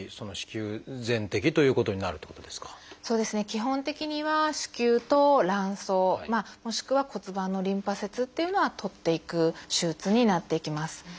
基本的には子宮と卵巣もしくは骨盤のリンパ節っていうのは取っていく手術になっていきます。